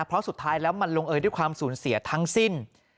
เพราะสุดท้ายแล้วมันลงเอยด้วยความสูญเสียทั้งสิ้น